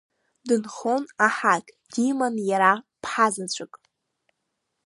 Дынхон аҳак, диман иара ԥҳазаҵәык.